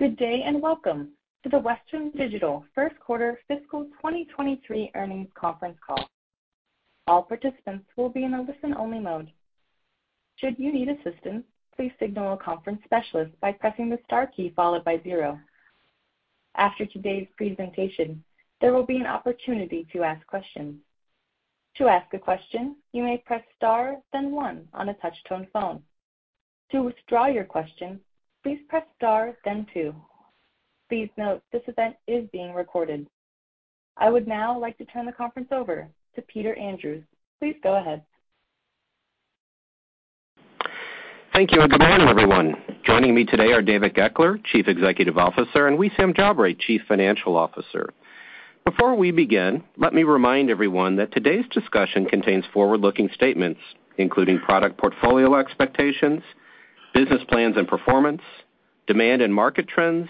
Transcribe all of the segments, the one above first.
Good day, and welcome to the Western Digital first quarter fiscal 2023 earnings conference call. All participants will be in a listen-only mode. Should you need assistance, please signal a conference specialist by pressing the star key followed by zero. After today's presentation, there will be an opportunity to ask questions. To ask a question, you may press Star, then one on a touch-tone phone. To withdraw your question, please press Star then two. Please note this event is being recorded. I would now like to turn the conference over to Peter Andrew. Please go ahead. Thank you and good morning, everyone. Joining me today are David Goeckeler, Chief Executive Officer, and Wissam Jabre, Chief Financial Officer. Before we begin, let me remind everyone that today's discussion contains forward-looking statements, including product portfolio expectations, business plans and performance, demand and market trends,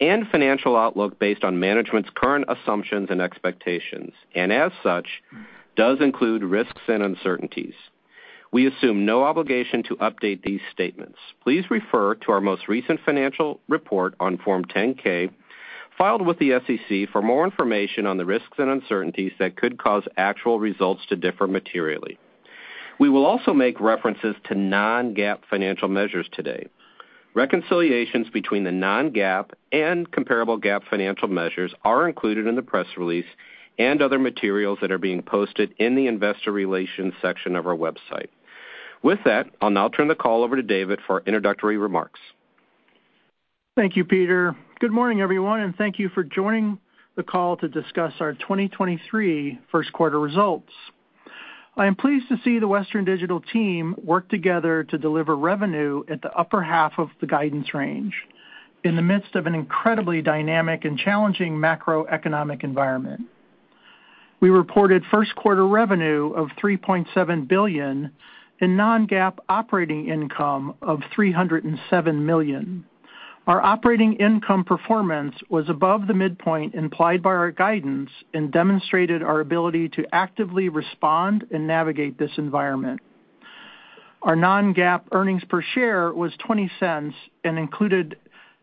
and financial outlook based on management's current assumptions and expectations, and as such, does include risks and uncertainties. We assume no obligation to update these statements. Please refer to our most recent financial report on Form 10-K filed with the SEC for more information on the risks and uncertainties that could cause actual results to differ materially. We will also make references to non-GAAP financial measures today. Reconciliations between the non-GAAP and comparable GAAP financial measures are included in the press release and other materials that are being posted in the investor relations section of our website. With that, I'll now turn the call over to David for introductory remarks. Thank you, Peter. Good morning, everyone, and thank you for joining the call to discuss our 2023 first quarter results. I am pleased to see the Western Digital team work together to deliver revenue at the upper half of the guidance range in the midst of an incredibly dynamic and challenging macroeconomic environment. We reported first quarter revenue of $3.7 billion and non-GAAP operating income of $307 million. Our operating income performance was above the midpoint implied by our guidance and demonstrated our ability to actively respond and navigate this environment. Our non-GAAP earnings per share was $0.20 and included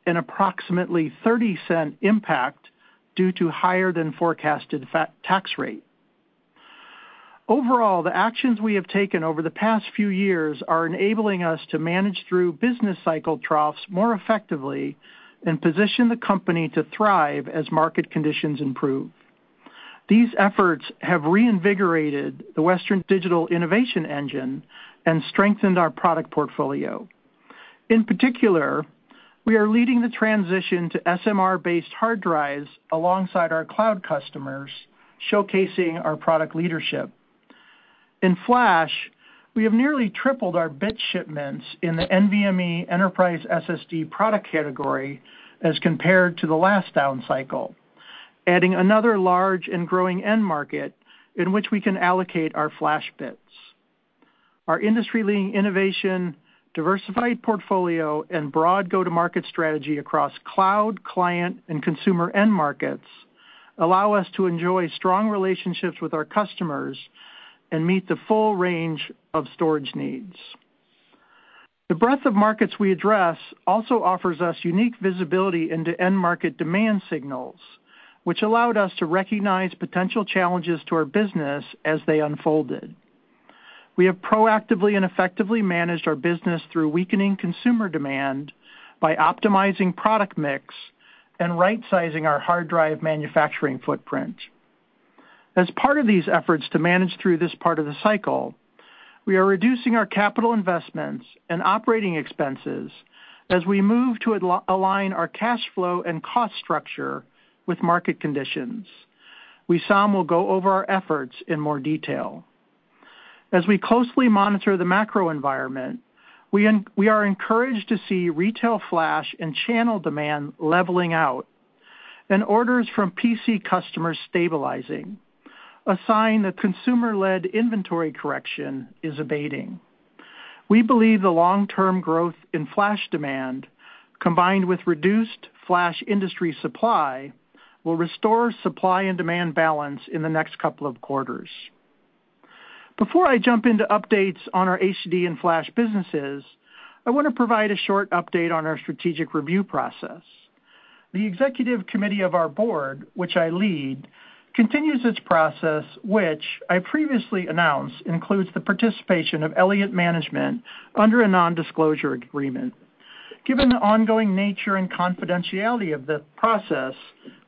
an approximately $0.30 impact due to higher than forecasted tax rate. Overall, the actions we have taken over the past few years are enabling us to manage through business cycle troughs more effectively and position the company to thrive as market conditions improve. These efforts have reinvigorated the Western Digital innovation engine and strengthened our product portfolio. In particular, we are leading the transition to SMR-based hard drives alongside our cloud customers, showcasing our product leadership. In flash, we have nearly tripled our bit shipments in the NVMe enterprise SSD product category as compared to the last down cycle, adding another large and growing end market in which we can allocate our flash bits. Our industry-leading innovation, diversified portfolio, and broad go-to-market strategy across cloud, client, and consumer end markets allow us to enjoy strong relationships with our customers and meet the full range of storage needs. The breadth of markets we address also offers us unique visibility into end market demand signals, which allowed us to recognize potential challenges to our business as they unfolded. We have proactively and effectively managed our business through weakening consumer demand by optimizing product mix and rightsizing our hard drive manufacturing footprint. As part of these efforts to manage through this part of the cycle, we are reducing our capital investments and operating expenses as we move to align our cash flow and cost structure with market conditions. Wissam will go over our efforts in more detail. As we closely monitor the macro environment, we are encouraged to see retail flash and channel demand leveling out and orders from PC customers stabilizing, a sign that consumer-led inventory correction is abating. We believe the long-term growth in flash demand, combined with reduced flash industry supply, will restore supply and demand balance in the next couple of quarters. Before I jump into updates on our HDD and flash businesses, I want to provide a short update on our strategic review process. The executive committee of our board, which I lead, continues its process, which I previously announced includes the participation of Elliott Investment Management under a nondisclosure agreement. Given the ongoing nature and confidentiality of the process,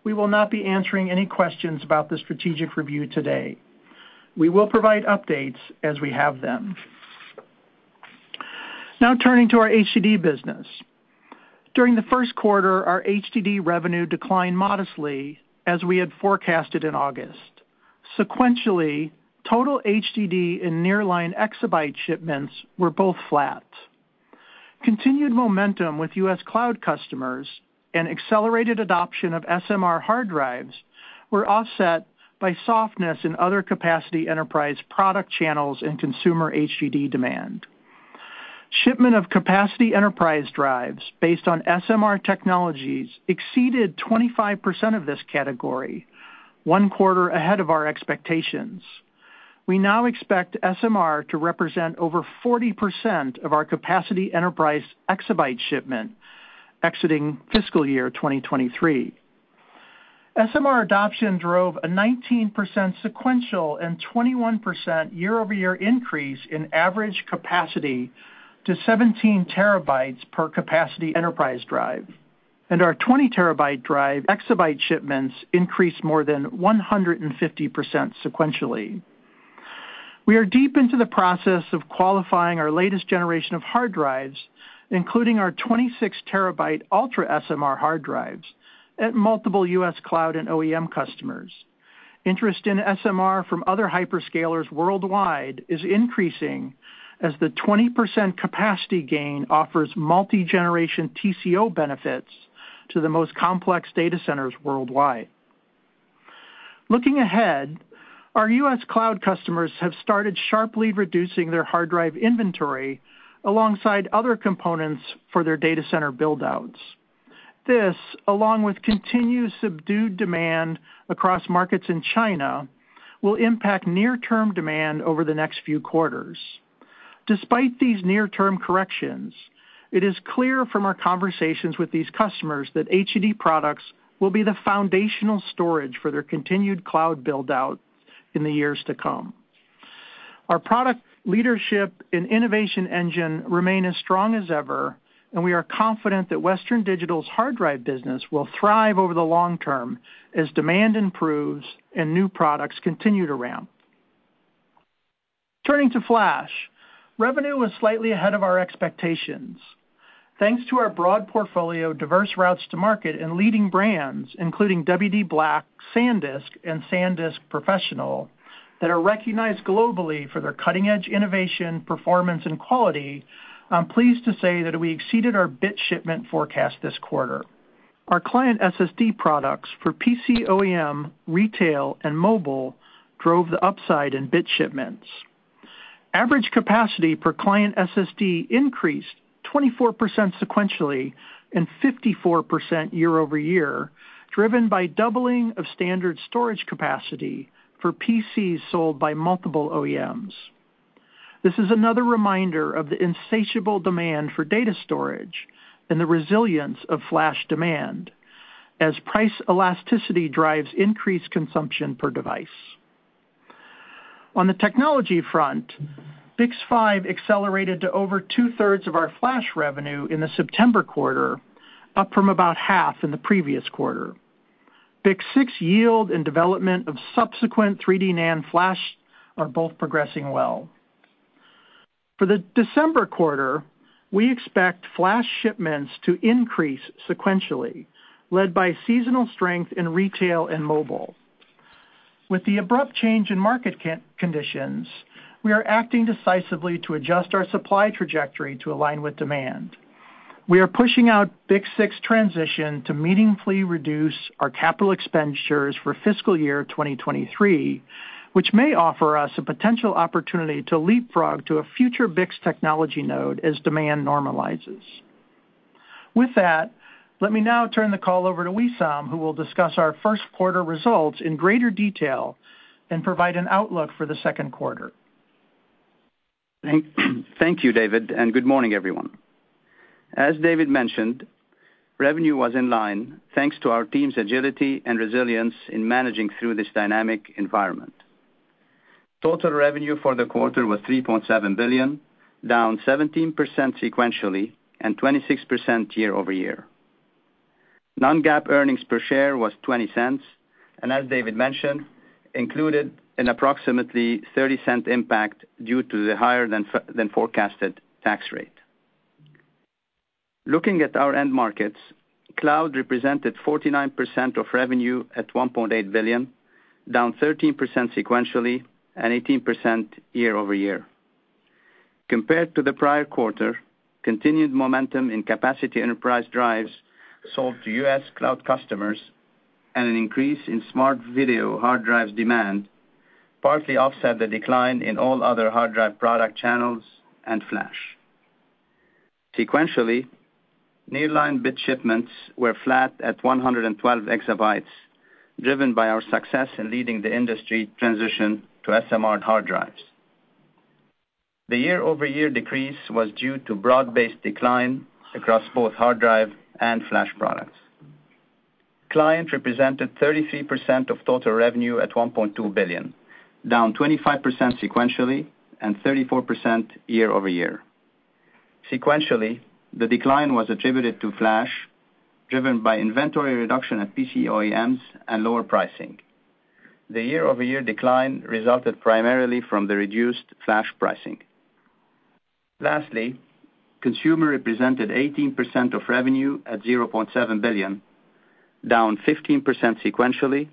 we will not be answering any questions about the strategic review today. We will provide updates as we have them. Now turning to our HDD business. During the first quarter, our HDD revenue declined modestly as we had forecasted in August. Sequentially, total HDD and nearline exabyte shipments were both flat. Continued momentum with U.S. cloud customers and accelerated adoption of SMR hard drives were offset by softness in other capacity enterprise product channels and consumer HDD demand. Shipments of capacity enterprise drives based on SMR technologies exceeded 25% of this category, one quarter ahead of our expectations. We now expect SMR to represent over 40% of our capacity enterprise exabyte shipment exiting fiscal year 2023. SMR adoption drove a 19% sequential and 21% year-over-year increase in average capacity to 17 TB per capacity enterprise drive. Our 20 TB drive exabyte shipments increased more than 150% sequentially. We are deep into the process of qualifying our latest generation of hard drives, including our 26 TB UltraSMR hard drives at multiple U.S. cloud and OEM customers. Interest in SMR from other hyperscalers worldwide is increasing as the 20% capacity gain offers multi-generation TCO benefits to the most complex data centers worldwide. Looking ahead, our U.S. Cloud customers have started sharply reducing their hard drive inventory alongside other components for their data center build-outs. This, along with continued subdued demand across markets in China, will impact near-term demand over the next few quarters. Despite these near-term corrections, it is clear from our conversations with these customers that HDD products will be the foundational storage for their continued cloud build-out in the years to come. Our product leadership and innovation engine remain as strong as ever, and we are confident that Western Digital's hard drive business will thrive over the long term as demand improves and new products continue to ramp. Turning to flash, revenue was slightly ahead of our expectations. Thanks to our broad portfolio, diverse routes to market, and leading brands, including WD_BLACK, SanDisk, and SanDisk Professional, that are recognized globally for their cutting-edge innovation, performance, and quality, I'm pleased to say that we exceeded our bit shipment forecast this quarter. Our client SSD products for PC OEM, retail, and mobile drove the upside in bit shipments. Average capacity per client SSD increased 24% sequentially and 54% year-over-year, driven by doubling of standard storage capacity for PCs sold by multiple OEMs. This is another reminder of the insatiable demand for data storage and the resilience of flash demand as price elasticity drives increased consumption per device. On the technology front, BiCS5 accelerated to over two-thirds of our flash revenue in the September quarter, up from about half in the previous quarter. BiCS6 yield and development of subsequent 3D NAND flash are both progressing well. For the December quarter, we expect flash shipments to increase sequentially, led by seasonal strength in retail and mobile. With the abrupt change in market conditions, we are acting decisively to adjust our supply trajectory to align with demand. We are pushing out BiCS6 transition to meaningfully reduce our capital expenditures for fiscal year 2023, which may offer us a potential opportunity to leapfrog to a future BiCS technology node as demand normalizes. With that, let me now turn the call over to Wissam, who will discuss our first quarter results in greater detail and provide an outlook for the second quarter. Thank you, David, and good morning, everyone. As David mentioned, revenue was in line thanks to our team's agility and resilience in managing through this dynamic environment. Total revenue for the quarter was $3.7 billion, down 17% sequentially and 26% year-over-year. Non-GAAP earnings per share was $0.20, and as David mentioned, included an approximately $0.30 impact due to the higher than forecasted tax rate. Looking at our end markets, cloud represented 49% of revenue at $1.8 billion, down 13% sequentially and 18% year-over-year. Compared to the prior quarter, continued momentum in capacity enterprise drives sold to U.S. cloud customers and an increase in smart video hard drives demand partly offset the decline in all other hard drive product channels and flash. Sequentially, nearline bit shipments were flat at 112 exabytes, driven by our success in leading the industry transition to SMR hard drives. The year-over-year decrease was due to broad-based decline across both hard drive and flash products. Client represented 33% of total revenue at $1.2 billion, down 25% sequentially and 34% year-over-year. Sequentially, the decline was attributed to flash, driven by inventory reduction at PC OEMs and lower pricing. The year-over-year decline resulted primarily from the reduced flash pricing. Lastly, consumer represented 18% of revenue at $0.7 billion, down 15% sequentially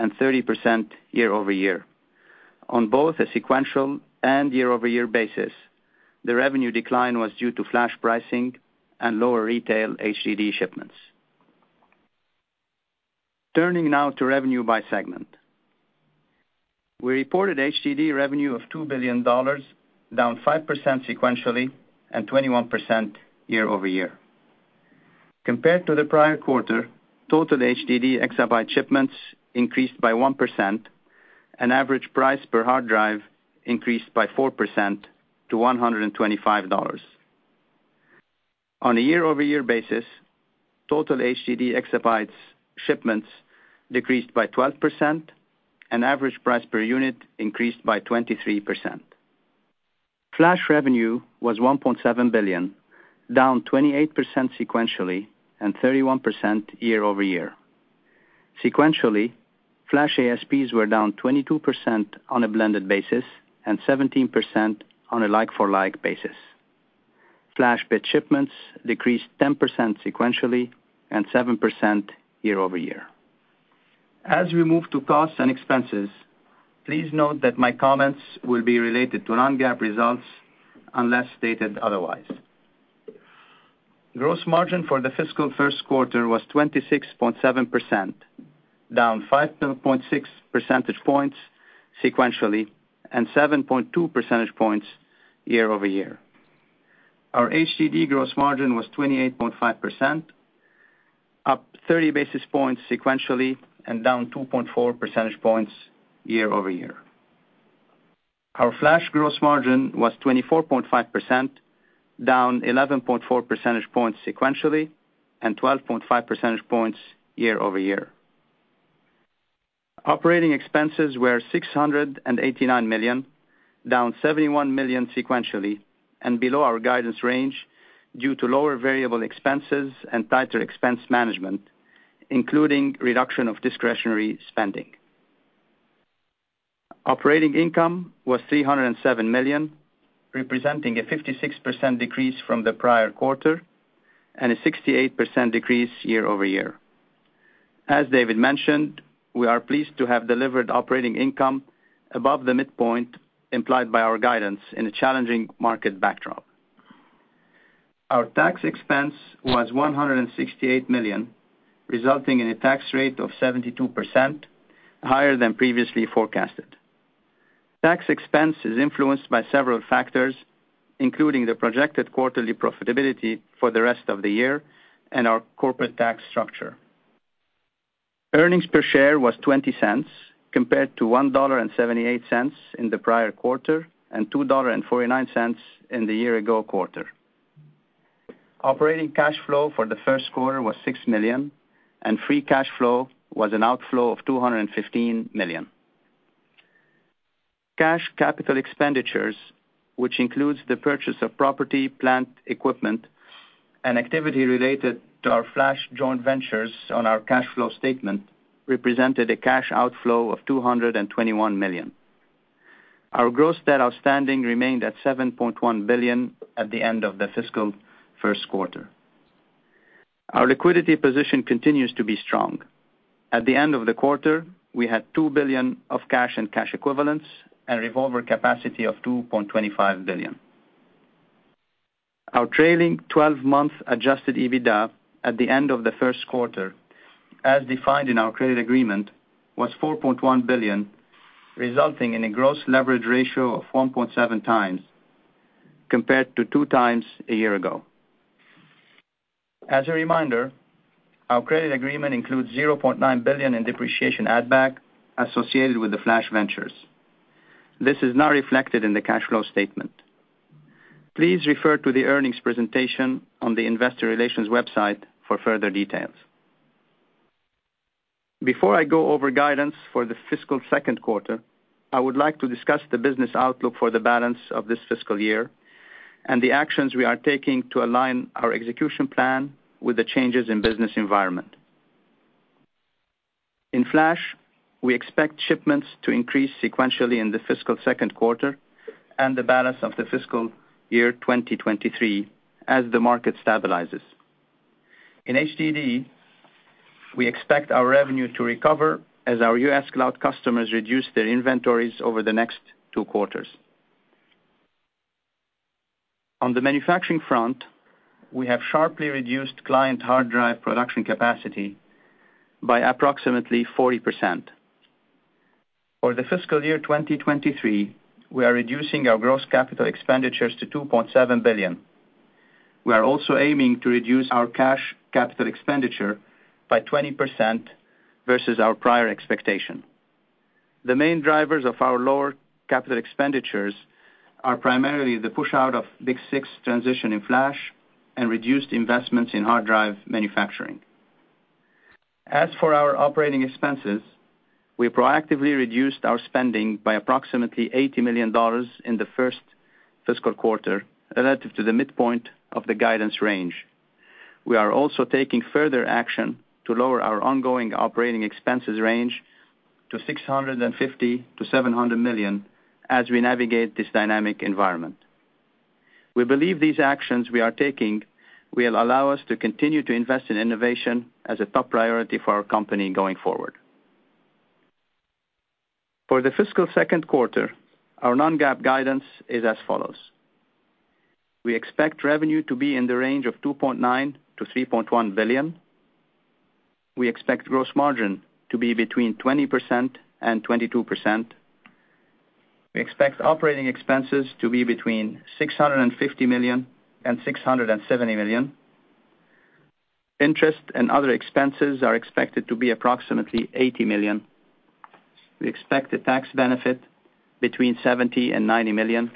and 30% year-over-year. On both a sequential and year-over-year basis, the revenue decline was due to flash pricing and lower retail HDD shipments. Turning now to revenue by segment. We reported HDD revenue of $2 billion, down 5% sequentially and 21% year-over-year. Compared to the prior quarter, total HDD exabyte shipments increased by 1%, and average price per hard drive increased by 4% to $125. On a year-over-year basis, total HDD exabytes shipments decreased by 12%, and average price per unit increased by 23%. Flash revenue was $1.7 billion, down 28% sequentially, and 31% year-over-year. Sequentially, flash ASPs were down 22% on a blended basis and 17% on a like-for-like basis. Flash bit shipments decreased 10% sequentially and 7% year-over-year. As we move to costs and expenses, please note that my comments will be related to non-GAAP results unless stated otherwise. Gross margin for the fiscal first quarter was 26.7%, down 5.6 percentage points sequentially, and 7.2 percentage points year-over-year. Our HDD gross margin was 28.5%, up 30 basis points sequentially, and down 2.4 percentage points year-over-year. Our flash gross margin was 24.5%, down 11.4 percentage points sequentially, and 12.5 percentage points year-over-year. Operating expenses were $689 million, down $71 million sequentially, and below our guidance range due to lower variable expenses and tighter expense management, including reduction of discretionary spending. Operating income was $307 million, representing a 56% decrease from the prior quarter and a 68% decrease year-over-year. As David mentioned, we are pleased to have delivered operating income above the midpoint implied by our guidance in a challenging market backdrop. Our tax expense was $168 million, resulting in a tax rate of 72% higher than previously forecasted. Tax expense is influenced by several factors, including the projected quarterly profitability for the rest of the year and our corporate tax structure. Earnings per share was $0.20, compared to $1.78 in the prior quarter, and $2.49 in the year ago quarter. Operating cash flow for the first quarter was $6 million, and free cash flow was an outflow of $215 million. Cash capital expenditures, which includes the purchase of property, plant, equipment, and activity related to our flash joint ventures on our cash flow statement, represented a cash outflow of $221 million. Our gross debt outstanding remained at $7.1 billion at the end of the fiscal first quarter. Our liquidity position continues to be strong. At the end of the quarter, we had $2 billion of cash and cash equivalents and a revolver capacity of $2.25 billion. Our trailing 12-month adjusted EBITDA at the end of the first quarter, as defined in our credit agreement, was $4.1 billion, resulting in a gross leverage ratio of 1.7 times compared to 2 times a year ago. As a reminder, our credit agreement includes $0.9 billion in depreciation add back associated with Flash Ventures. This is not reflected in the cash flow statement. Please refer to the earnings presentation on the investor relations website for further details. Before I go over guidance for the fiscal second quarter, I would like to discuss the business outlook for the balance of this fiscal year and the actions we are taking to align our execution plan with the changes in business environment. In flash, we expect shipments to increase sequentially in the fiscal second quarter and the balance of the fiscal year 2023 as the market stabilizes. In HDD, we expect our revenue to recover as our U.S. cloud customers reduce their inventories over the next two quarters. On the manufacturing front, we have sharply reduced client hard drive production capacity by approximately 40%. For the fiscal year 2023, we are reducing our gross capital expenditures to $2.7 billion. We are also aiming to reduce our cash capital expenditure by 20% versus our prior expectation. The main drivers of our lower capital expenditures are primarily the push out of BiCS6 transition in flash and reduced investments in hard drive manufacturing. As for our operating expenses, we proactively reduced our spending by approximately $80 million in the first fiscal quarter, relative to the midpoint of the guidance range. We are also taking further action to lower our ongoing operating expenses range to $650 million-$700 million as we navigate this dynamic environment. We believe these actions we are taking will allow us to continue to invest in innovation as a top priority for our company going forward. For the fiscal second quarter, our non-GAAP guidance is as follows. We expect revenue to be in the range of $2.9 billion-$3.1 billion. We expect gross margin to be between 20% and 22%. We expect operating expenses to be between $650 million and $670 million. Interest and other expenses are expected to be approximately $80 million. We expect a tax benefit between $70 million and $90 million.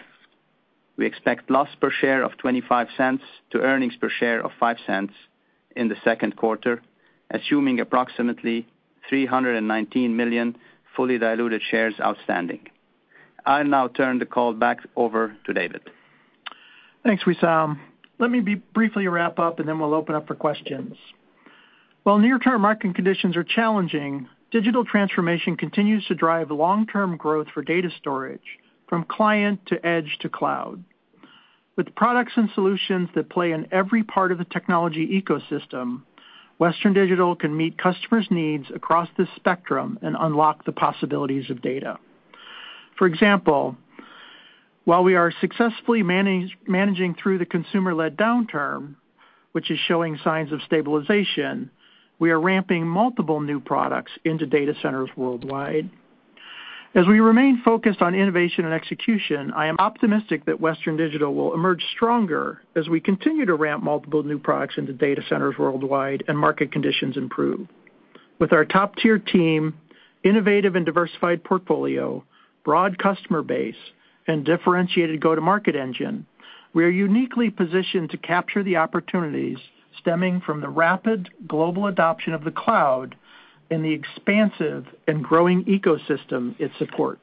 We expect loss per share of $0.25 to earnings per share of $0.05 in the second quarter, assuming approximately 319 million fully diluted shares outstanding. I'll now turn the call back over to David. Thanks, Wissam. Let me briefly wrap up, and then we'll open up for questions. While near-term market conditions are challenging, digital transformation continues to drive long-term growth for data storage from client to edge to cloud. With products and solutions that play in every part of the technology ecosystem, Western Digital can meet customers' needs across the spectrum and unlock the possibilities of data. For example, while we are successfully managing through the consumer-led downturn, which is showing signs of stabilization, we are ramping multiple new products into data centers worldwide. As we remain focused on innovation and execution, I am optimistic that Western Digital will emerge stronger as we continue to ramp multiple new products into data centers worldwide and market conditions improve. With our top-tier team, innovative and diversified portfolio, broad customer base, and differentiated go-to-market engine, we are uniquely positioned to capture the opportunities stemming from the rapid global adoption of the cloud and the expansive and growing ecosystem it supports.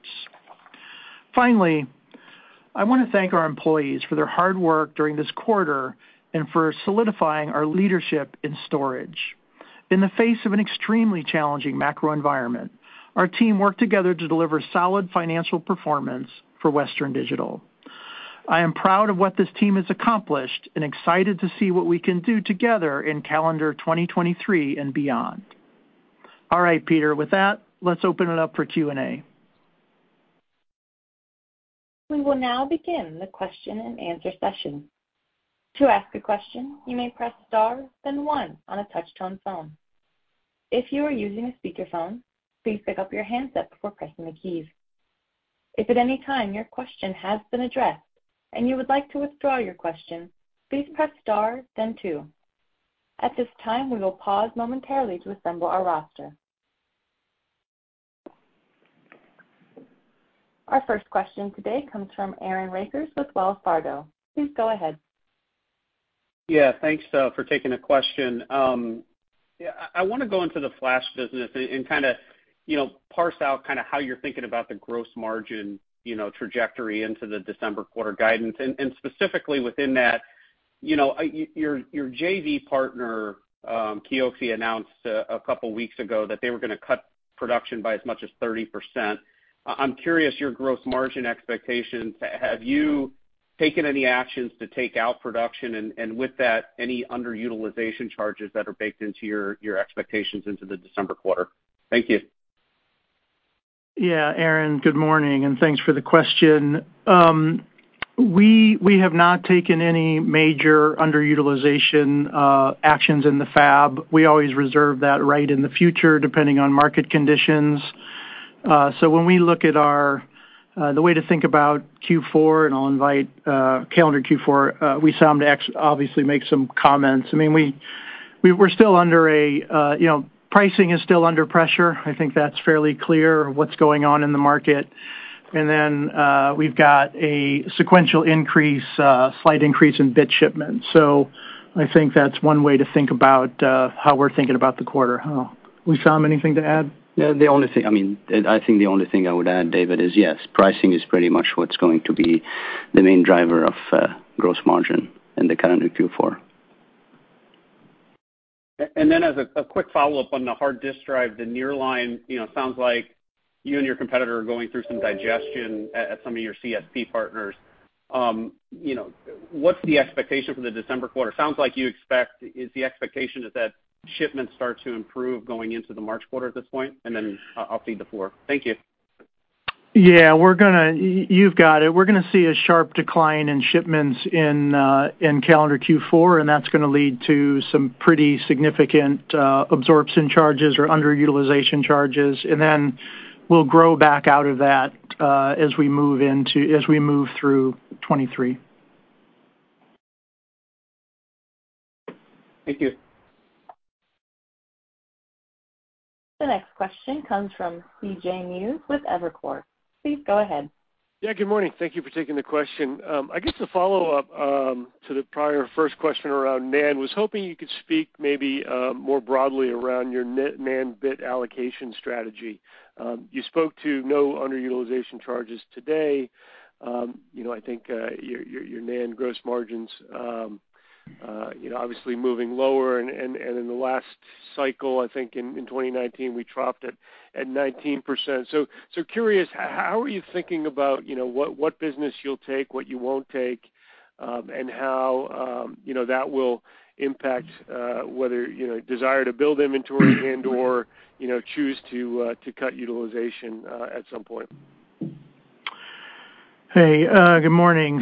Finally, I wanna thank our employees for their hard work during this quarter and for solidifying our leadership in storage. In the face of an extremely challenging macro environment, our team worked together to deliver solid financial performance for Western Digital. I am proud of what this team has accomplished and excited to see what we can do together in calendar 2023 and beyond. All right, Peter, with that, let's open it up for Q&A. We will now begin the question-and-answer session. To ask a question, you may press star then one on a touchtone phone. If you are using a speakerphone, please pick up your handset before pressing the keys. If at any time your question has been addressed and you would like to withdraw your question, please press star then two. At this time, we will pause momentarily to assemble our roster. Our first question today comes from Aaron Rakers with Wells Fargo. Please go ahead. Yeah, thanks for taking the question. Yeah, I wanna go into the flash business and kinda, you know, parse out kinda how you're thinking about the gross margin, you know, trajectory into the December quarter guidance. Specifically within that, you know, your JV partner, Kioxia, announced a couple weeks ago that they were gonna cut production by as much as 30%. I'm curious your gross margin expectations. Have you taken any actions to take out production? With that, any underutilization charges that are baked into your expectations into the December quarter? Thank you. Yeah, Aaron, good morning, and thanks for the question. We have not taken any major underutilization actions in the fab. We always reserve that right in the future, depending on market conditions. When we look at the way to think about calendar Q4, and I'll invite Wissam to obviously make some comments. I mean, we're still under pressure, you know. Pricing is still under pressure. I think that's fairly clear what's going on in the market. We've got a sequential, slight increase in bit shipments. I think that's one way to think about how we're thinking about the quarter. Wissam, anything to add? Yeah, the only thing, I mean, I think the only thing I would add, David, is, yes, pricing is pretty much what's going to be the main driver of gross margin in the current Q4. As a quick follow-up on the hard disk drive, the nearline, you know, sounds like you and your competitor are going through some digestion at some of your CSP partners. You know, what's the expectation for the December quarter? Sounds like you expect. Is the expectation that shipments start to improve going into the March quarter at this point? Then I'll cede the floor. Thank you. You've got it. We're gonna see a sharp decline in shipments in calendar Q4, and that's gonna lead to some pretty significant absorption charges or underutilization charges. We'll grow back out of that as we move through 2023. Thank you. The next question comes from C.J. Muse with Evercore. Please go ahead. Yeah, good morning. Thank you for taking the question. I guess a follow-up to the prior first question around NAND. Was hoping you could speak maybe more broadly around your NAND bit allocation strategy. You spoke to no underutilization charges today. You know, I think your NAND gross margins you know, obviously moving lower. In the last cycle, I think in 2019, we troughed at 19%. Curious, how are you thinking about you know, what business you'll take, what you won't take and how you know, that will impact whether you know, desire to build inventory and/or you know, choose to cut utilization at some point? Hey, good morning.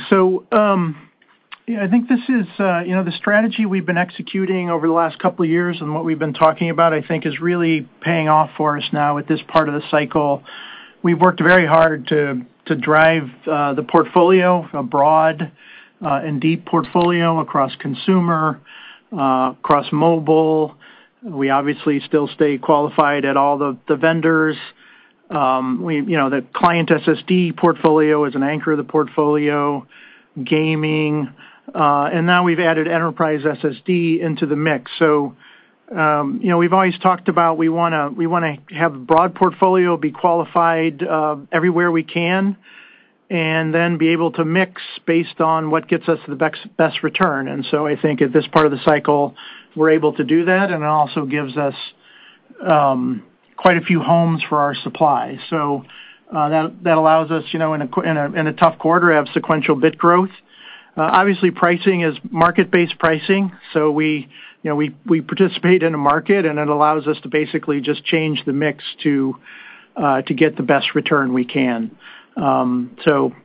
Yeah, I think this is, you know, the strategy we've been executing over the last couple years and what we've been talking about, I think, is really paying off for us now at this part of the cycle. We've worked very hard to drive the portfolio, a broad and deep portfolio across consumer, across mobile. We obviously still stay qualified at all the vendors. You know, the client SSD portfolio is an anchor of the portfolio, gaming, and now we've added enterprise SSD into the mix. You know, we've always talked about we wanna have broad portfolio, be qualified everywhere we can, and then be able to mix based on what gets us the best return. I think at this part of the cycle, we're able to do that, and it also gives us quite a few homes for our supply. That allows us, you know, in a tough quarter to have sequential bit growth. Obviously pricing is market-based pricing, so you know, we participate in a market, and it allows us to basically just change the mix to get the best return we can. Again,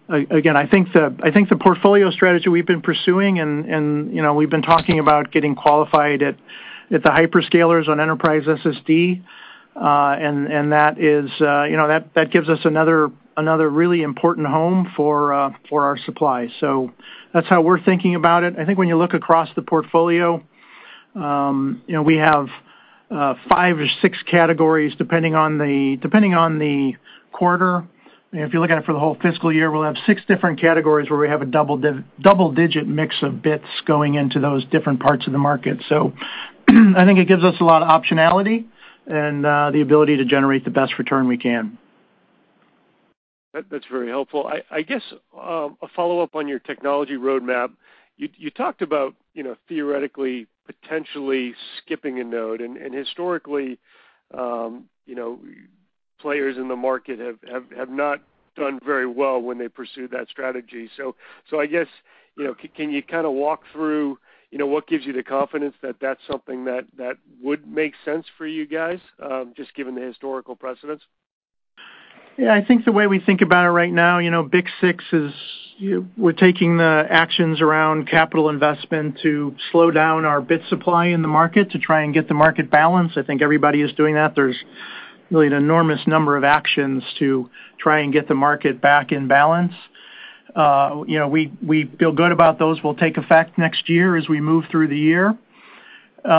I think the portfolio strategy we've been pursuing and, you know, we've been talking about getting qualified at the hyperscalers on enterprise SSD. And that is, you know, that gives us another really important home for our supply. That's how we're thinking about it. I think when you look across the portfolio, you know, we have five or six categories depending on the quarter. You know, if you look at it for the whole fiscal year, we'll have six different categories where we have a double-digit mix of bits going into those different parts of the market. I think it gives us a lot of optionality and the ability to generate the best return we can. That's very helpful. I guess a follow-up on your technology roadmap. You talked about, you know, theoretically potentially skipping a node, and historically, you know, players in the market have not done very well when they pursue that strategy. I guess, you know, can you kinda walk through, you know, what gives you the confidence that that's something that would make sense for you guys, just given the historical precedent? I think the way we think about it right now, you know, BiCS6 is, we're taking the actions around capital investment to slow down our bit supply in the market to try and get the market balance. I think everybody is doing that. There's really an enormous number of actions to try and get the market back in balance. You know, we feel good about those will take effect next year as we move through the year. You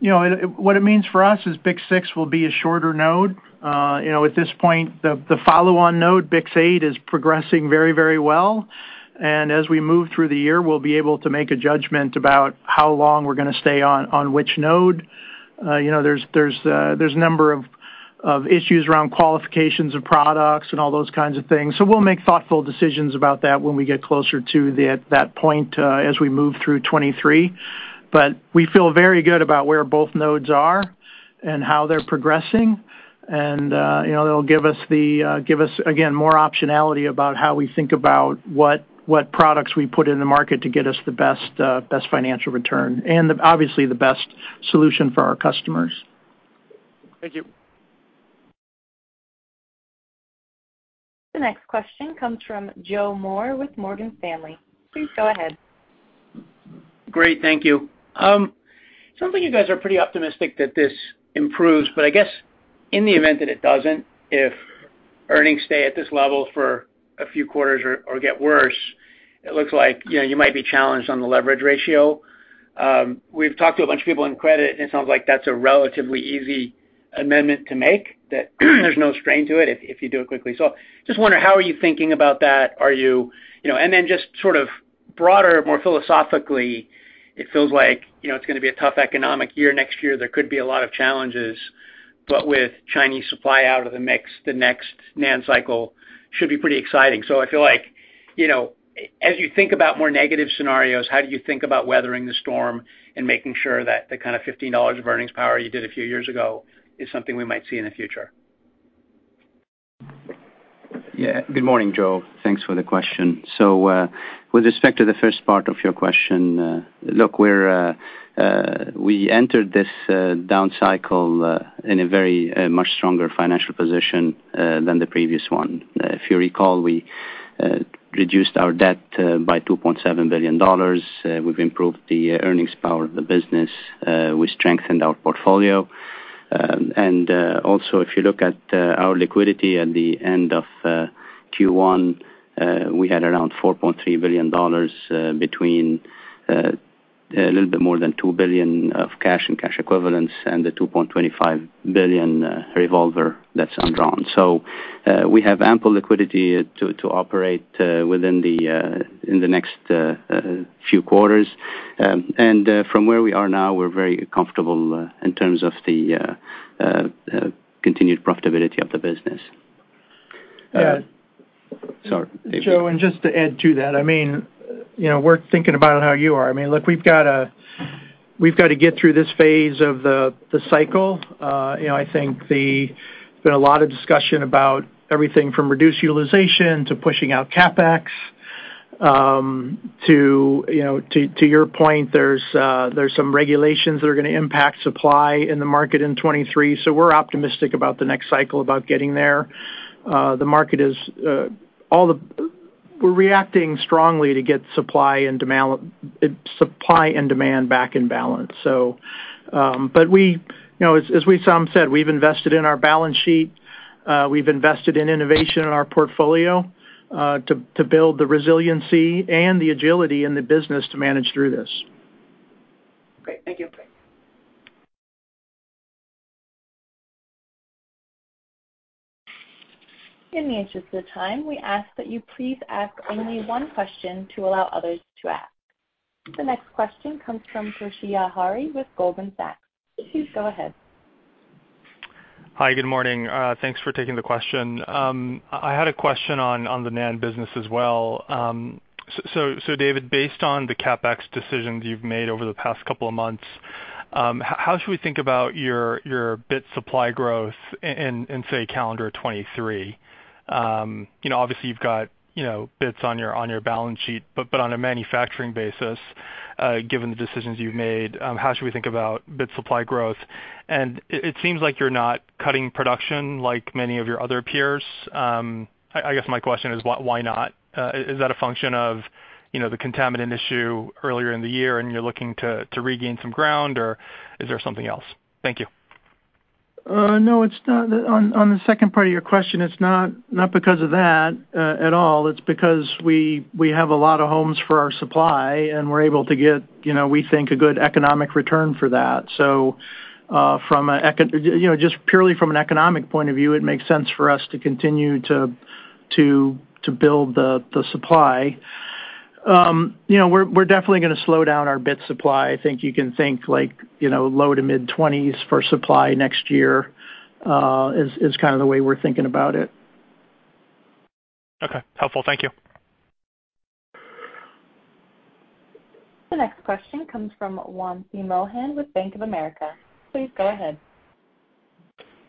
know, what it means for us is BiCS6 will be a shorter node. You know, at this point, the follow-on node, BiCS8, is progressing very, very well, and as we move through the year, we'll be able to make a judgment about how long we're gonna stay on which node. You know, there's a number of issues around qualifications of products and all those kinds of things, so we'll make thoughtful decisions about that when we get closer to that point as we move through 2023. We feel very good about where both nodes are and how they're progressing, and, you know, they'll give us, again, more optionality about how we think about what products we put in the market to get us the best financial return and, obviously, the best solution for our customers. Thank you. The next question comes from Joseph Moore with Morgan Stanley. Please go ahead. Great. Thank you. It sounds like you guys are pretty optimistic that this improves, but I guess in the event that it doesn't, if earnings stay at this level for a few quarters or get worse, it looks like, you know, you might be challenged on the leverage ratio. We've talked to a bunch of people in credit, and it sounds like that's a relatively easy amendment to make, that there's no strain to it if you do it quickly. So just wondering, how are you thinking about that? You know, and then just sort of broader, more philosophically, it feels like, you know, it's gonna be a tough economic year next year. There could be a lot of challenges. But with Chinese supply out of the mix, the next NAND cycle should be pretty exciting. I feel like, you know, as you think about more negative scenarios, how do you think about weathering the storm and making sure that the kind of $15 of earnings power you did a few years ago is something we might see in the future? Yeah. Good morning, Joe. Thanks for the question. With respect to the first part of your question, look, we entered this down cycle in a very much stronger financial position than the previous one. If you recall, we reduced our debt by $2.7 billion. We've improved the earnings power of the business. We strengthened our portfolio. Also, if you look at our liquidity at the end of Q1, we had around $4.3 billion between a little bit more than $2 billion of cash and cash equivalents and the $2.25 billion revolver that's undrawn. We have ample liquidity to operate within the next few quarters. From where we are now, we're very comfortable in terms of the continued profitability of the business. Yeah. Sorry. just to add to that, I mean, you know, we're thinking about it how you are. I mean, look, we've got to get through this phase of the cycle. You know, I think there's been a lot of discussion about everything from reduced utilization to pushing out CapEx, to your point, there's some regulations that are gonna impact supply in the market in 2023. We're optimistic about the next cycle, about getting there. The market is reacting strongly to get supply and demand back in balance. But we, you know, as Wissam said, we've invested in our balance sheet. We've invested in innovation in our portfolio, to build the resiliency and the agility in the business to manage through this. Great. Thank you. In the interest of time, we ask that you please ask only one question to allow others to ask. The next question comes from Toshiya Hari with Goldman Sachs. Please go ahead. Hi, good morning. Thanks for taking the question. I had a question on the NAND business as well. So, David, based on the CapEx decisions you've made over the past couple of months, how should we think about your bit supply growth in, say, calendar 2023? You know, obviously you've got you know, bits on your balance sheet, but on a manufacturing basis, given the decisions you've made, how should we think about bit supply growth? It seems like you're not cutting production like many of your other peers. I guess my question is why not? Is that a function of you know, the contaminant issue earlier in the year and you're looking to regain some ground, or is there something else? Thank you. No, it's not. On the second part of your question, it's not because of that at all. It's because we have a lot of homes for our supply, and we're able to get, you know, we think a good economic return for that. From an economic point of view, it makes sense for us to continue to build the supply. You know, we're definitely gonna slow down our bit supply. I think you can think like, you know, low- to mid-20s for supply next year is kind of the way we're thinking about it. Okay. Helpful. Thank you. The next question comes from Wamsi Mohan with Bank of America. Please go ahead.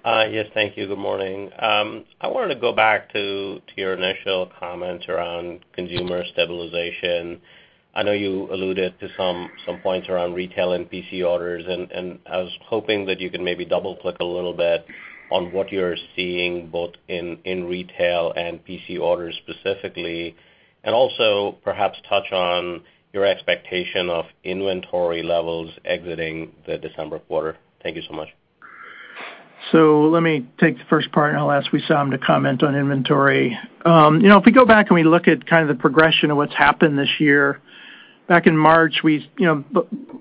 Yes, thank you. Good morning. I wanted to go back to your initial comments around consumer stabilization. I know you alluded to some points around retail and PC orders, and I was hoping that you could maybe double-click a little bit on what you're seeing both in retail and PC orders specifically, and also perhaps touch on your expectation of inventory levels exiting the December quarter. Thank you so much. Let me take the first part, and I'll ask Wissam to comment on inventory. You know, if we go back and we look at kind of the progression of what's happened this year, back in March, you know,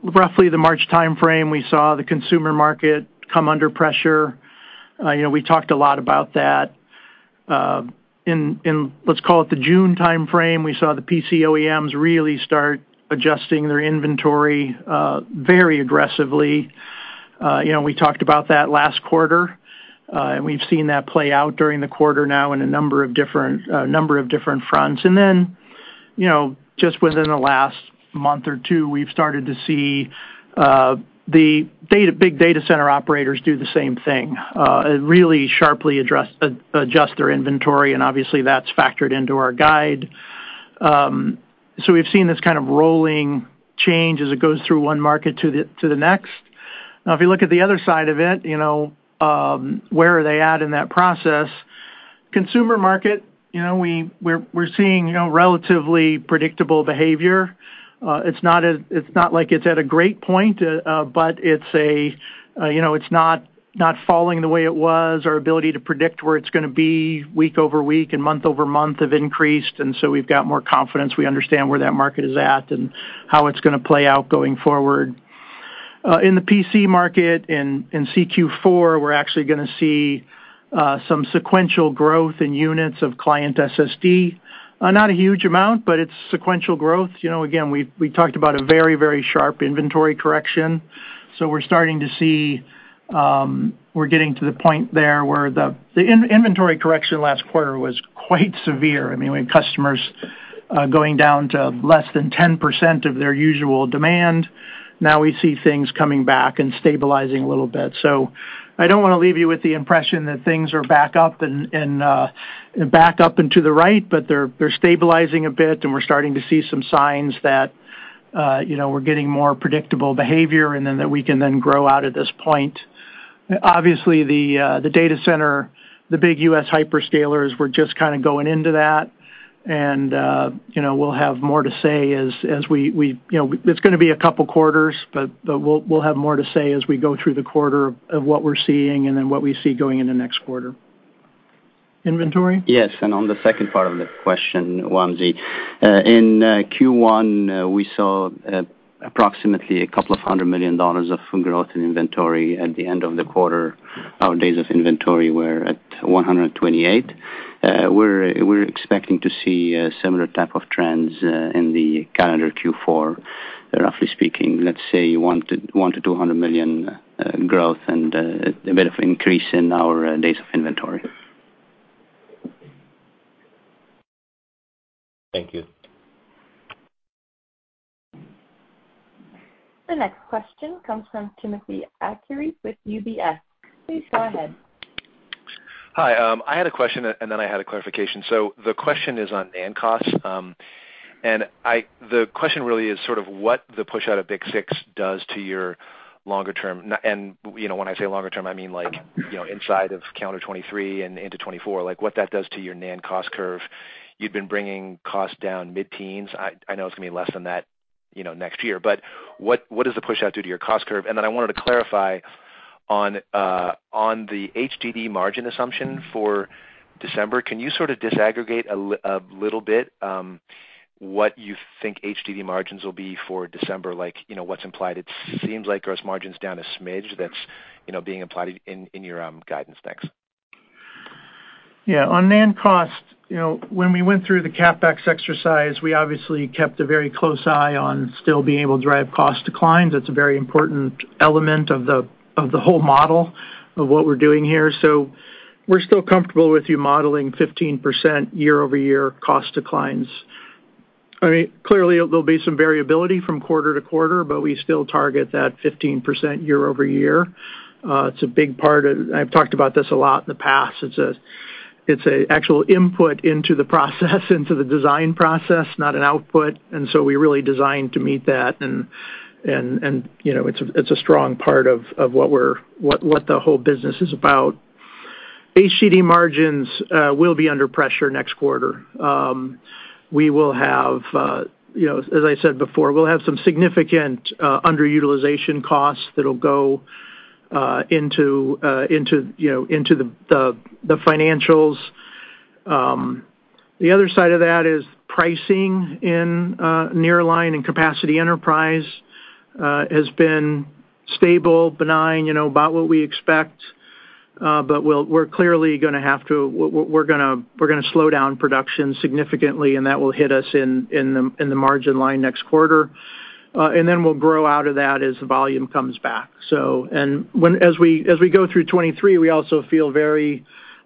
roughly the March timeframe, we saw the consumer market come under pressure. You know, we talked a lot about that. In let's call it the June timeframe, we saw the PC OEMs really start adjusting their inventory very aggressively. You know, we talked about that last quarter, and we've seen that play out during the quarter now in a number of different fronts. Then, you know, just within the last month or two, we've started to see the big data center operators do the same thing, really sharply adjust their inventory, and obviously that's factored into our guide. We've seen this kind of rolling change as it goes through one market to the next. Now, if you look at the other side of it, you know, where are they at in that process? Consumer market, you know, we're seeing, you know, relatively predictable behavior. It's not as, it's not like it's at a great point, but it's a, you know, it's not falling the way it was. Our ability to predict where it's gonna be week over week and month over month have increased, and so we've got more confidence. We understand where that market is at and how it's gonna play out going forward. In the PC market, in Q4, we're actually gonna see some sequential growth in units of client SSD. Not a huge amount, but it's sequential growth. Again, we talked about a very sharp inventory correction, so we're starting to see we're getting to the point there where the inventory correction last quarter was quite severe. I mean, we had customers going down to less than 10% of their usual demand. Now we see things coming back and stabilizing a little bit. I don't wanna leave you with the impression that things are back up and to the right, but they're stabilizing a bit, and we're starting to see some signs that you know, we're getting more predictable behavior and then that we can then grow out at this point. Obviously, the data center, the big U.S. hyperscalers, we're just kind of going into that. You know, we'll have more to say as we you know, it's gonna be a couple quarters, but we'll have more to say as we go through the quarter of what we're seeing and then what we see going in the next quarter. Inventory? Yes. On the second part of the question, Wamsi, in Q1, we saw approximately a couple of hundred million dollars of growth in inventory at the end of the quarter. Our days of inventory were at 128. We're expecting to see a similar type of trends in the calendar Q4. Roughly speaking, let's say $100 million-$200 million growth and a bit of increase in our days of inventory. Thank you. The next question comes from Timothy Arcuri with UBS. Please go ahead. Hi. I had a question, and then I had a clarification. The question is on NAND costs. The question really is sort of what the push out of BiCS6 does to your longer-term NAND, and, you know, when I say longer-term, I mean, like, you know, inside of calendar 2023 and into 2024, like what that does to your NAND cost curve. You've been bringing costs down mid-teens. I know it's gonna be less than that, you know, next year. But what does the push out do to your cost curve? I wanted to clarify on the HDD margin assumption for December. Can you sort of disaggregate a little bit what you think HDD margins will be for December? Like, you know, what's implied. It seems like gross margin's down a smidge. That's, you know, being implied in your guidance. Thanks. Yeah. On NAND costs, you know, when we went through the CapEx exercise, we obviously kept a very close eye on still being able to drive cost declines. It's a very important element of the whole model of what we're doing here. We're still comfortable with you modeling 15% year-over-year cost declines. I mean, clearly there'll be some variability from quarter to quarter, but we still target that 15% year-over-year. It's a big part of. I've talked about this a lot in the past. It's an actual input into the process, into the design process, not an output. You know, it's a strong part of what the whole business is about. HDD margins will be under pressure next quarter. We will have, you know, as I said before, we'll have some significant underutilization costs that'll go into, you know, into the financials. The other side of that is pricing in nearline and capacity enterprise has been stable, benign, you know, about what we expect. We're clearly gonna slow down production significantly, and that will hit us in the margin line next quarter. We'll grow out of that as the volume comes back. As we go through 2023, we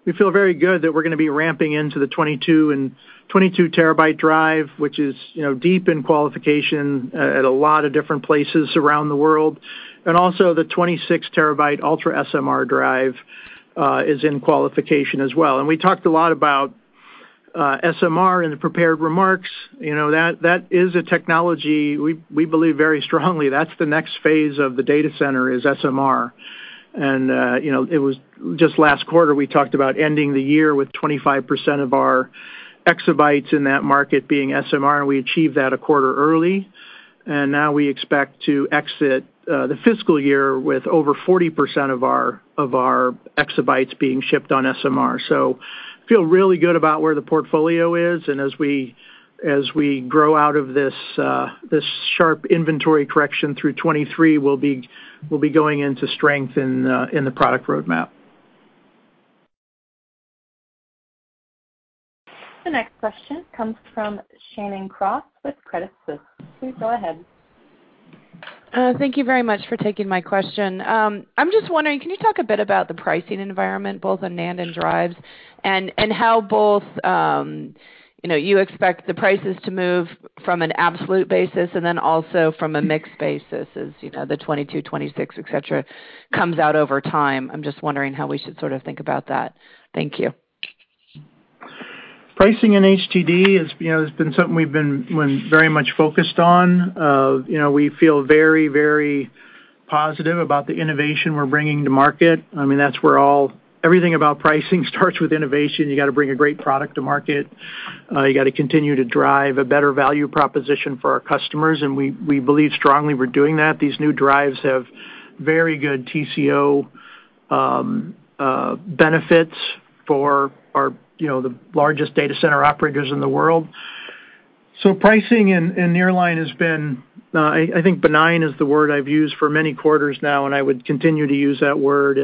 also feel very good that we're gonna be ramping into the 22-terabyte drive, which is, you know, deep in qualification at a lot of different places around the world. Also the 26TB UltraSMR drive is in qualification as well. We talked a lot about SMR in the prepared remarks. You know, that is a technology we believe very strongly. That's the next phase of the data center is SMR. You know, it was just last quarter we talked about ending the year with 25% of our exabytes in that market being SMR, and we achieved that a quarter early. Now we expect to exit the fiscal year with over 40% of our exabytes being shipped on SMR. Feel really good about where the portfolio is. As we grow out of this sharp inventory correction through 2023, we'll be going into strength in the product roadmap. The next question comes from Shannon Cross with Credit Suisse. Please go ahead. Thank you very much for taking my question. I'm just wondering, can you talk a bit about the pricing environment both on NAND and drives, and how both, you know, you expect the prices to move from an absolute basis and then also from a mixed basis as, you know, the 22, 26, et cetera, comes out over time? I'm just wondering how we should sort of think about that. Thank you. Pricing in HDD is, you know, has been something we've been very much focused on. You know, we feel very, very positive about the innovation we're bringing to market. I mean, that's where everything about pricing starts with innovation. You gotta bring a great product to market. You gotta continue to drive a better value proposition for our customers, and we believe strongly we're doing that. These new drives have very good TCO benefits for our, you know, the largest data center operators in the world. Pricing in nearline has been, I think benign is the word I've used for many quarters now, and I would continue to use that word.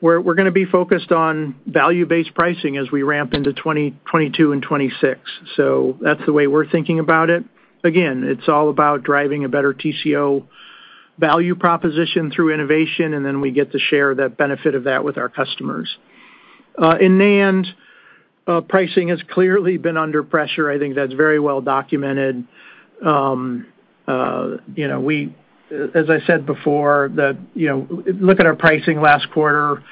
We're gonna be focused on value-based pricing as we ramp into 22 and 26. That's the way we're thinking about it. Again, it's all about driving a better TCO value proposition through innovation, and then we get to share that benefit of that with our customers. In NAND, pricing has clearly been under pressure. I think that's very well documented. Look at our pricing last quarter,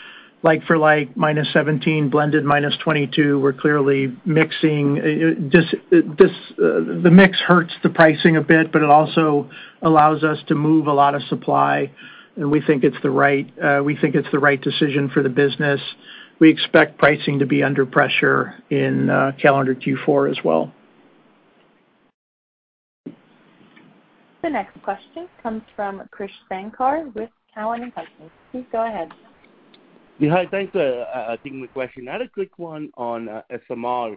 like-for-like -17%, blended -22%. We're clearly mixing. The mix hurts the pricing a bit, but it also allows us to move a lot of supply, and we think it's the right decision for the business. We expect pricing to be under pressure in calendar Q4 as well. The next question comes from Krish Sankar with Cowen and Company. Please go ahead. Yeah. Hi. Thanks for taking the question. I had a quick one on SMR.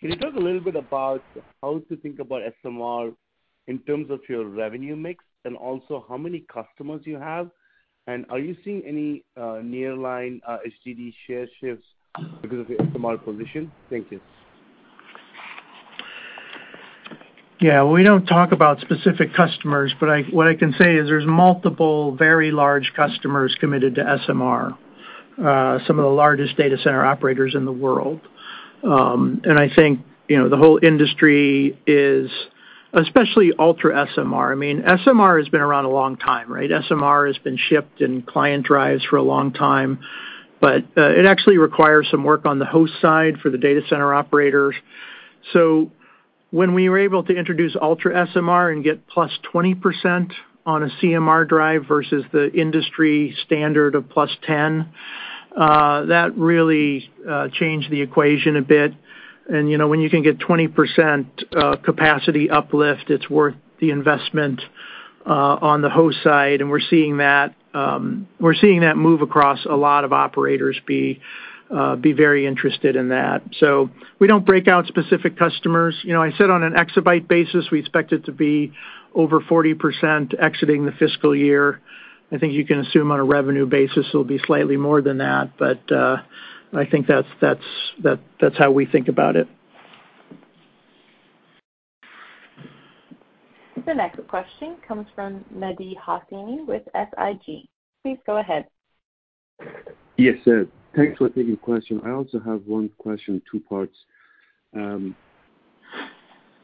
Can you talk a little bit about how to think about SMR in terms of your revenue mix and also how many customers you have? Are you seeing any nearline HDD share shifts because of your SMR position? Thank you. Yeah. We don't talk about specific customers, but what I can say is there's multiple very large customers committed to SMR. Some of the largest data center operators in the world. I think, you know, the whole industry is especially UltraSMR. I mean, SMR has been around a long time, right? SMR has been shipped in client drives for a long time, but it actually requires some work on the host side for the data center operators. When we were able to introduce UltraSMR and get +20% on a CMR drive versus the industry standard of +10%, that really changed the equation a bit. You know, when you can get 20% capacity uplift, it's worth the investment on the host side, and we're seeing that move across a lot of operators being very interested in that. We don't break out specific customers. You know, I said on an exabyte basis, we expect it to be over 40% exiting the fiscal year. I think you can assume on a revenue basis it'll be slightly more than that, but I think that's how we think about it. The next question comes from Mehdi Hosseini with SIG. Please go ahead. Yes, sir. Thanks for taking question. I also have one question, two parts.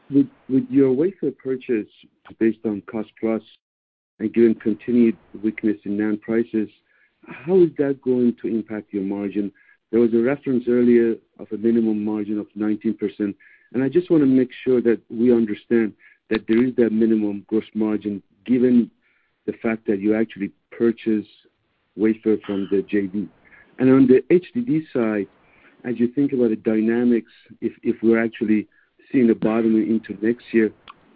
With your wafer purchase based on cost plus and given continued weakness in NAND prices, how is that going to impact your margin? There was a reference earlier of a minimum margin of 19%, and I just wanna make sure that we understand that there is that minimum gross margin, given the fact that you actually purchase wafer from the JV. On the HDD side, as you think about the dynamics, if we're actually seeing a bottom into next year,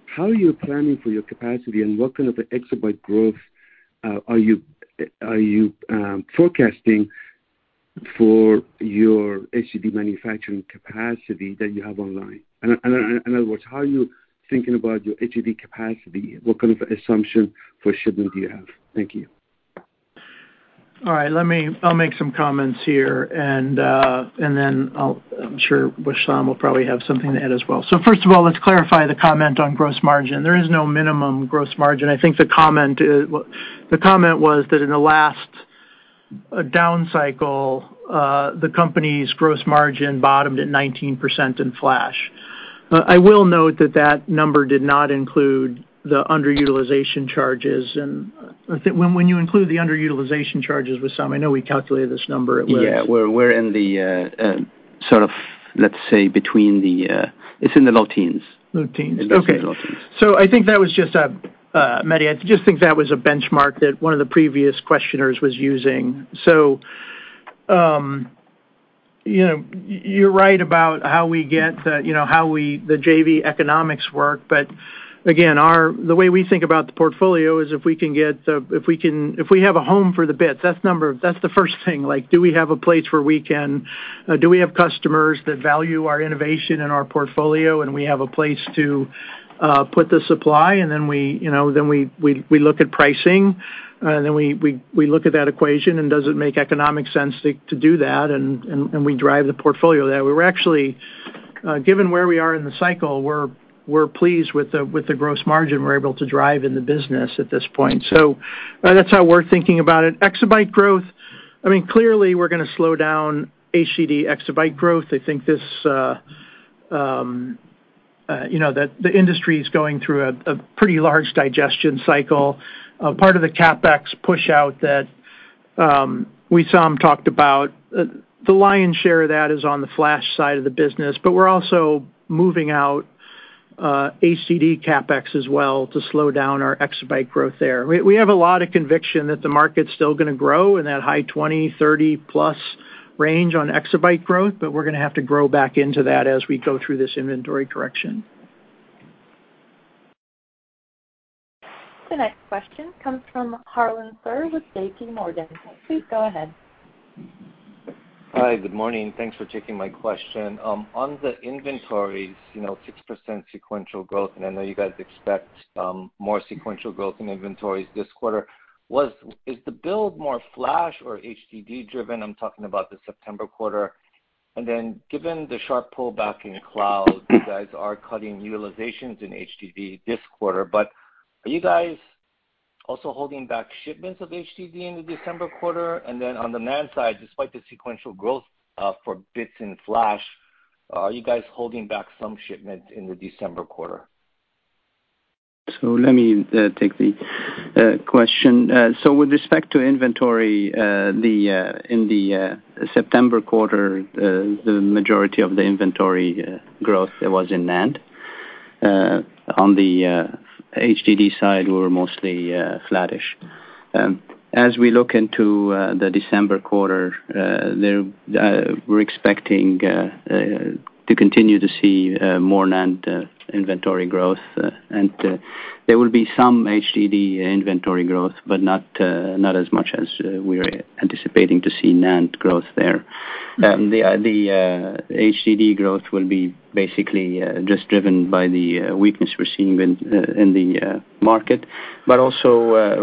how are you planning for your capacity, and what kind of exabyte growth are you forecasting for your HDD manufacturing capacity that you have online? In other words, how are you thinking about your HDD capacity? What kind of assumption for shipment do you have? Thank you. All right, I'll make some comments here, and then I'm sure Wissam will probably have something to add as well. First of all, let's clarify the comment on gross margin. There is no minimum gross margin. I think the comment is, well, the comment was that in the last down cycle, the company's gross margin bottomed at 19% in flash. I will note that that number did not include the underutilization charges, and I think when you include the underutilization charges, Wissam, I know we calculated this number, it was. It's in the low teens. Low teens. Okay. It's in the low teens. I think that was just Mehdi. I just think that was a benchmark that one of the previous questioners was using. You know, you're right about how the JV economics work. But again, the way we think about the portfolio is if we have a home for the bits, that's the first thing. Like, do we have a place where we can, do we have customers that value our innovation and our portfolio, and we have a place to put the supply? Then we, you know, then we look at pricing. Then we look at that equation, and does it make economic sense to do that, and we drive the portfolio there. We're actually given where we are in the cycle, we're pleased with the gross margin we're able to drive in the business at this point. That's how we're thinking about it. Exabyte growth, I mean, clearly, we're gonna slow down HDD exabyte growth. I think you know that the industry's going through a pretty large digestion cycle. A part of the CapEx push out that Wissam talked about, the lion's share of that is on the flash side of the business, but we're also moving out HDD CapEx as well to slow down our exabyte growth there. We have a lot of conviction that the market's still gonna grow in that high 20, 30+ range on exabyte growth, but we're gonna have to grow back into that as we go through this inventory correction. The next question comes from Harlan Sur with JPMorgan. Please go ahead. Hi, good morning. Thanks for taking my question. On the inventories, you know, 6% sequential growth, and I know you guys expect more sequential growth in inventories this quarter. Is the build more flash or HDD driven? I'm talking about the September quarter. Given the sharp pullback in cloud, you guys are cutting utilizations in HDD this quarter. Are you guys also holding back shipments of HDD in the December quarter? On the NAND side, despite the sequential growth for bits in flash, are you guys holding back some shipments in the December quarter? Let me take the question. With respect to inventory, in the September quarter, the majority of the inventory growth was in NAND. On the HDD side, we were mostly flattish. As we look into the December quarter, we're expecting to continue to see more NAND inventory growth. There will be some HDD inventory growth, but not as much as we're anticipating to see NAND growth there. The HDD growth will be basically just driven by the weakness we're seeing in the market. We're also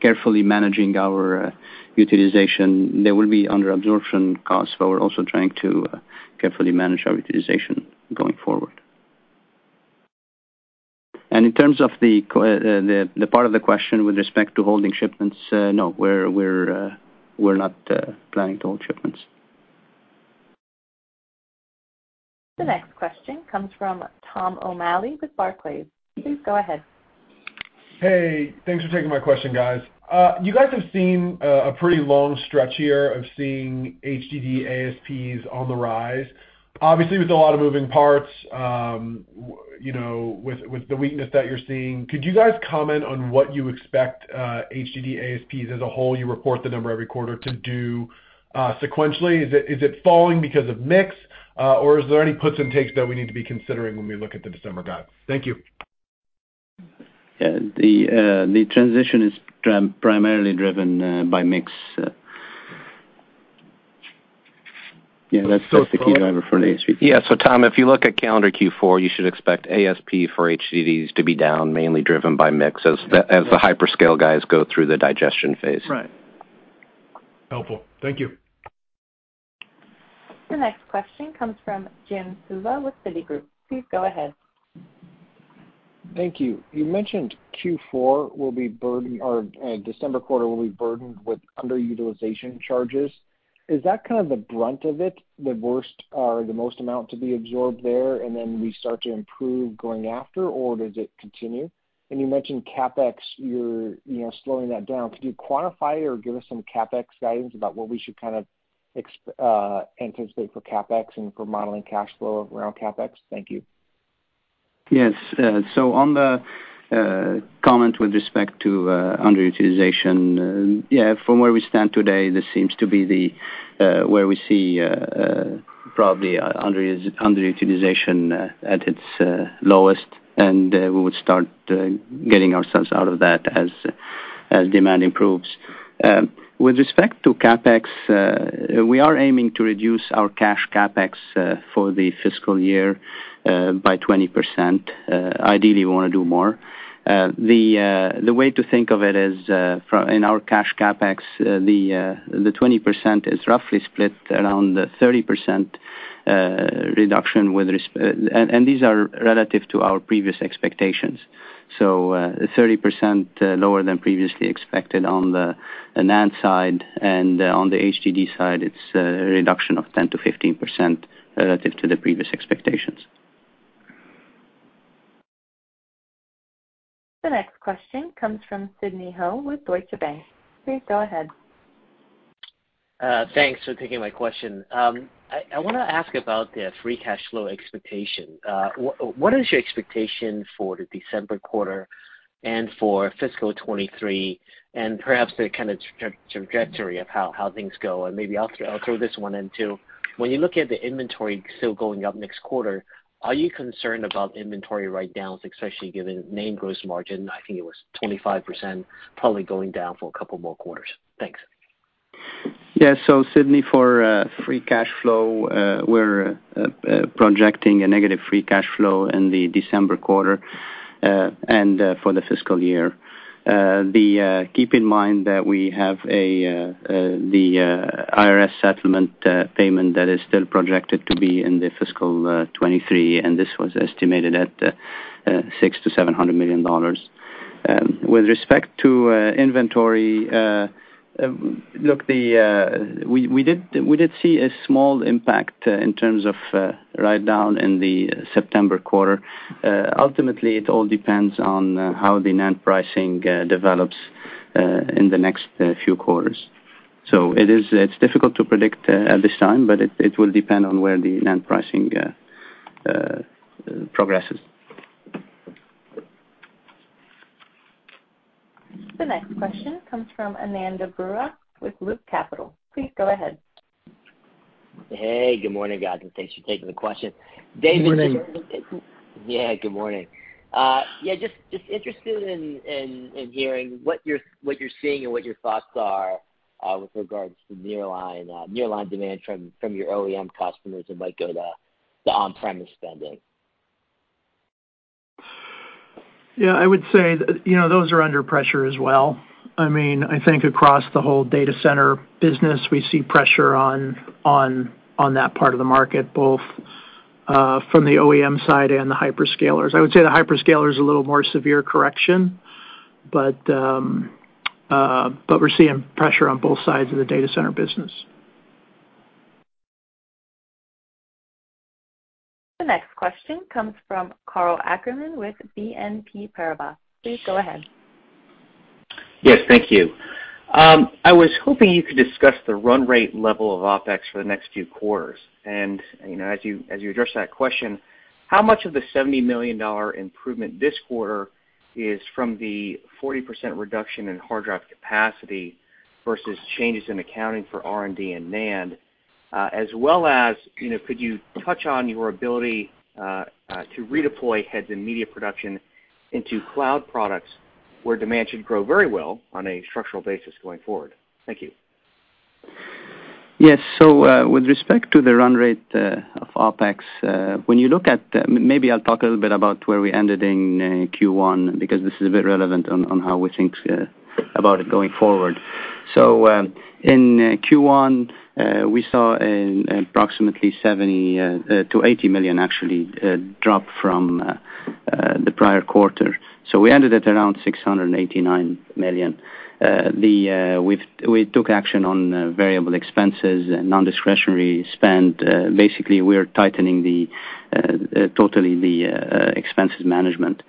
carefully managing our utilization. There will be under-absorption costs, so we're also trying to carefully manage our utilization going forward. In terms of the part of the question with respect to holding shipments, no, we're not planning to hold shipments. The next question comes from Thomas O'Malley with Barclays. Please go ahead. Hey, thanks for taking my question, guys. You guys have seen a pretty long stretch here of seeing HDD ASPs on the rise. Obviously, with a lot of moving parts, you know, with the weakness that you're seeing, could you guys comment on what you expect, HDD ASPs as a whole, you report the number every quarter, to do, sequentially? Is it falling because of mix, or is there any puts and takes that we need to be considering when we look at the December guides? Thank you. Yeah. The transition is primarily driven by mix. Yeah, that's the key driver for an HP. Yeah. Tom, if you look at calendar Q4, you should expect ASP for HDDs to be down, mainly driven by mix, as the hyperscale guys go through the digestion phase. Right. Helpful. Thank you. The next question comes from Jim Suva with Citigroup. Please go ahead. Thank you. You mentioned Q4, or the December quarter, will be burdened with underutilization charges. Is that kind of the brunt of it, the worst or the most amount to be absorbed there, and then we start to improve going forward, or does it continue? You mentioned CapEx. You're, you know, slowing that down. Could you quantify or give us some CapEx guidance about what we should kind of anticipate for CapEx and for modeling cash flow around CapEx? Thank you. Yes. So on the comment with respect to underutilization, from where we stand today, this seems to be where we see probably underutilization at its lowest, and we would start getting ourselves out of that as demand improves. With respect to CapEx, we are aiming to reduce our cash CapEx for the fiscal year by 20%. Ideally, we wanna do more. The way to think of it is, in our cash CapEx, the 20% is roughly split around 30% reduction, and these are relative to our previous expectations. 30% lower than previously expected on the NAND side, and on the HDD side, it's a reduction of 10%-15% relative to the previous expectations. The next question comes from Sidney Ho with Deutsche Bank. Please go ahead. Thanks for taking my question. I wanna ask about the free cash flow expectation. What is your expectation for the December quarter and for fiscal 2023, and perhaps the kind of trajectory of how things go? Maybe I'll throw this one in too. When you look at the inventory still going up next quarter, are you concerned about inventory write-downs, especially given NAND gross margin, I think it was 25%, probably going down for a couple more quarters? Thanks. Yeah. Sidney, for free cash flow, we're projecting a negative free cash flow in the December quarter, and for the fiscal year. Keep in mind that we have the IRS settlement payment that is still projected to be in the fiscal 2023, and this was estimated at $600 million-$700 million. With respect to inventory, look, we did see a small impact in terms of write-down in the September quarter. Ultimately, it all depends on how the NAND pricing develops in the next few quarters. It is difficult to predict at this time, but it will depend on where the NAND pricing progresses. The next question comes from Ananda Baruah with Loop Capital. Please go ahead. Hey, good morning, guys, and thanks for taking the question. David- Good morning. Yeah, good morning. Yeah, just interested in hearing what you're seeing and what your thoughts are, with regards to nearline demand from your OEM customers that might go to the on-premise spending. Yeah. I would say you know, those are under pressure as well. I mean, I think across the whole data center business, we see pressure on that part of the market, both from the OEM side and the hyperscalers. I would say the hyperscaler is a little more severe correction, but we're seeing pressure on both sides of the data center business. The next question comes from Karl Ackerman with BNP Paribas. Please go ahead. Yes, thank you. I was hoping you could discuss the run rate level of OpEx for the next few quarters. You know, as you address that question, how much of the $70 million improvement this quarter is from the 40% reduction in hard drive capacity versus changes in accounting for R&D and NAND? As well as, you know, could you touch on your ability to redeploy heads and media production into cloud products where demand should grow very well on a structural basis going forward? Thank you. Yes. With respect to the run rate of OpEx, when you look at... Maybe I'll talk a little bit about where we ended in Q1 because this is a bit relevant on how we think about it going forward. In Q1, we saw an approximately $70 million-$80 million actually drop from the prior quarter. We ended at around $689 million. We took action on variable expenses and nondiscretionary spend. Basically, we are tightening total expenses management.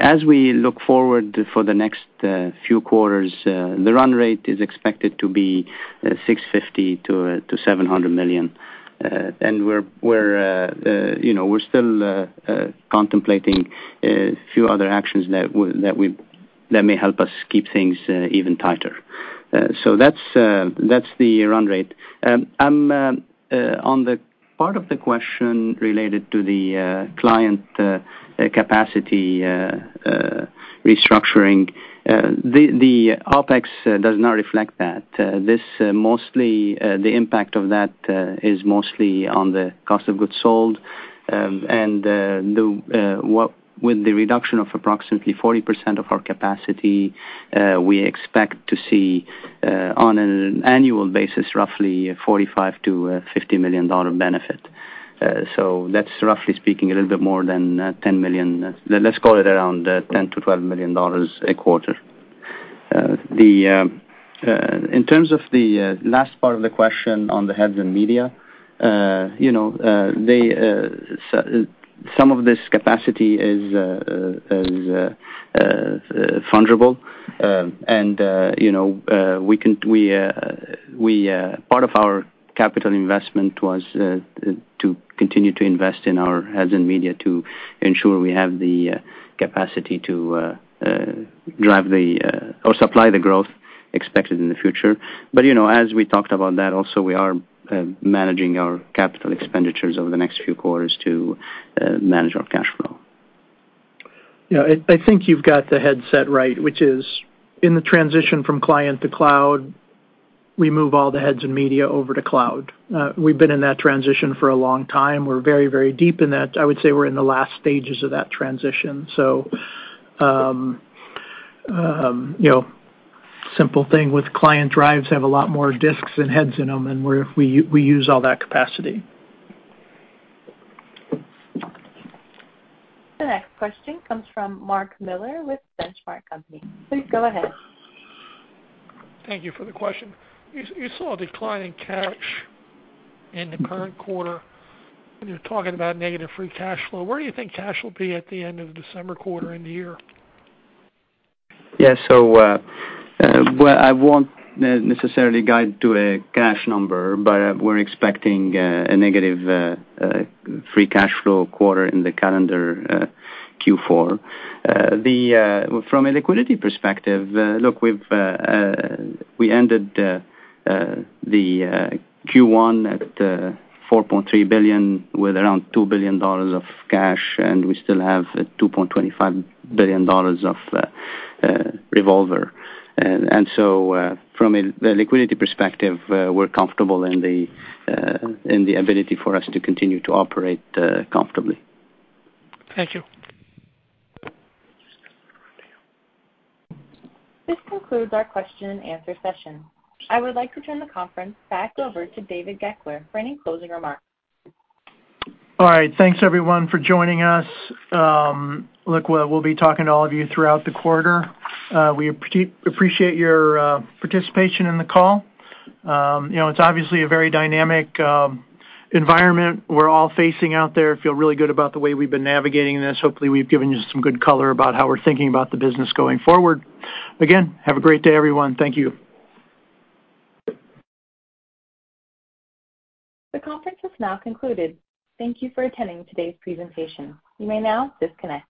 As we look forward for the next few quarters, the run rate is expected to be $650 million-$700 million. You know, we're still contemplating a few other actions that may help us keep things even tighter. That's the run rate. On the part of the question related to the client capacity restructuring, the OpEx does not reflect that. The impact of that is mostly on the cost of goods sold. With the reduction of approximately 40% of our capacity, we expect to see, on an annual basis, roughly $45 million-$50 million benefit. That's roughly speaking a little bit more than $10 million. Let's call it around $10 million-$12 million a quarter. In terms of the last part of the question on the heads and media, you know, some of this capacity is fungible. Part of our capital investment was to continue to invest in our heads and media to ensure we have the capacity to supply the growth expected in the future. You know, as we talked about that also, we are managing our capital expenditures over the next few quarters to manage our cash flow. Yeah. I think you've got the aspect right, which is in the transition from client to cloud, we move all the heads and media over to cloud. We've been in that transition for a long time. We're very, very deep in that. I would say we're in the last stages of that transition. You know, simple thing with client drives have a lot more disks and heads in them, and we use all that capacity. The next question comes from Mark Miller with The Benchmark Company. Please go ahead. Thank you for the question. You saw a decline in cash in the current quarter, and you're talking about negative free cash flow. Where do you think cash will be at the end of December quarter in the year? Well, I won't necessarily guide to a cash number, but we're expecting a negative free cash flow quarter in the calendar Q4. From a liquidity perspective, look, we ended the Q1 at $4.3 billion with around $2 billion of cash, and we still have $2.25 billion of revolver. From the liquidity perspective, we're comfortable in the ability for us to continue to operate comfortably. Thank you. This concludes our question and answer session. I would like to turn the conference back over to David Goeckeler for any closing remarks. All right. Thanks everyone for joining us. Look, we'll be talking to all of you throughout the quarter. We appreciate your participation in the call. You know, it's obviously a very dynamic environment we're all facing out there. Feel really good about the way we've been navigating this. Hopefully, we've given you some good color about how we're thinking about the business going forward. Again, have a great day, everyone. Thank you. The conference has now concluded. Thank you for attending today's presentation. You may now disconnect.